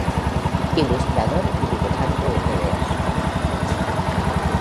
Ilustrador y dibujante de tebeos.